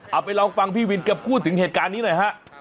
เอาไปลองฟังพี่วินแกพูดถึงเหตุการณ์นี้หน่อยฮะ